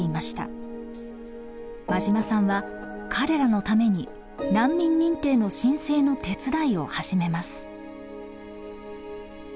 馬島さんは彼らのために難民認定の申請の手伝いを始めます。